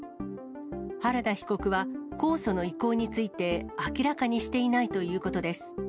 原田被告は、控訴の意向について明らかにしていないということです。